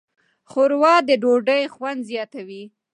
ښوروا د ډوډۍ خوند زیاتوي.